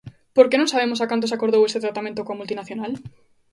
¿Por que non sabemos a canto se acordou ese tratamento coa multinacional?